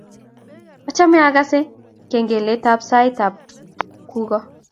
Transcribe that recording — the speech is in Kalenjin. Achame akase kengelet ap sait ap kuko.